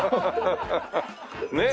ねえ。